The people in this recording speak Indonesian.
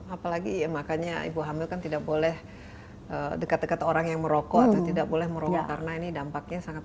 apalagi ya makanya ibu hamil kan tidak boleh dekat dekat orang yang merokok atau tidak boleh merokok karena ini dampaknya sangat